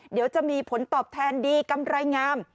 เดี๋ยวจะมีผลตอบแทนดีกำไรงาม